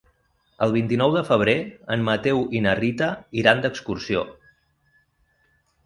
El vint-i-nou de febrer en Mateu i na Rita iran d'excursió.